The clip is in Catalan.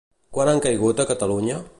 Quant han caigut a Catalunya?